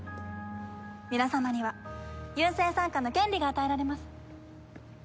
皆様には優先参加の権利が与えられます。